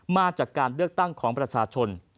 มาจากการเลือกตั้งของประชาชน